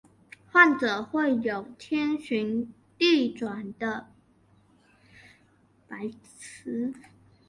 患者会有天旋地转或是摇晃的感觉。